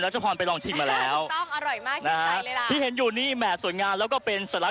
ใช่แหละค่ะ